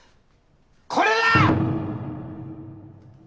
これだ！！